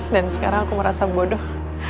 dan sekarang aku merasa bodoh